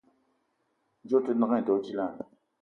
Djeue ote ndeng edo djila?